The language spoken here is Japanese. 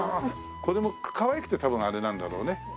これもかわいくて多分あれなんだろうね。